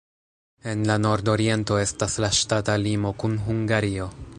En la nordoriento estas la ŝtata limo kun Hungario.